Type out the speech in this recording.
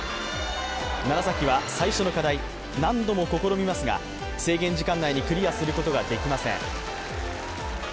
楢崎は最初の課題、何度も試みますが制限時間内にクリアすることができません。